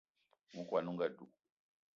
Nku kwan on ga dug